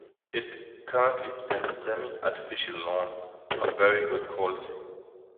It currently has a semi-artificial lawn of very good quality.